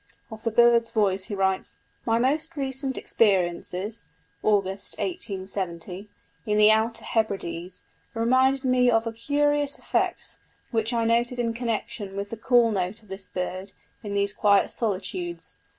Of the bird's voice he writes: "My most recent experiences (August 1870) in the Outer Hebrides remind me of a curious effect which I noted in connection with the call note of this bird in these quiet solitudes.